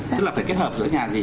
tức là phải kết hợp giữa nhà gì